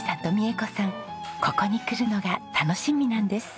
ここに来るのが楽しみなんです。